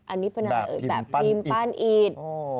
อันนี้เป็นอะไรแบบทีมปั้นอีด